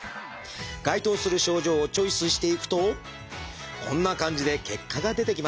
該当する症状をチョイスしていくとこんな感じで結果が出てきます。